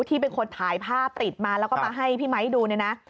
ที่เป็นคนถ่ายภาพติดมาแล้วก็มาให้พี่ไมค์ดูเนี่ยนะ